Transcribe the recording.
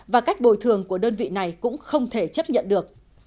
và cách bồi thường của đơn vị này cũng không thể chấp nhận được